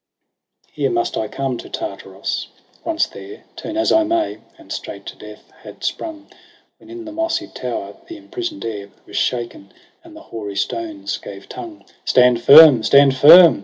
16 ' Hence must I come to Tartarus • once there Turn as I may,' and straight to death had sprung j When in the mossy tower the imprison'd air Was shaken, and the hoary stones gave tongue, ' Stand firm